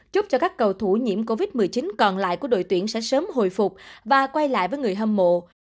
chúc cho các cầu thủ nhiễm covid một mươi chín còn lại của đội tuyển sẽ sớm hồi phục và quay lại với người hâm mộ